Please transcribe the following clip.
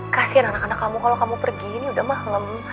kasian anak anak kamu kalau kamu pergi ini udah mah lem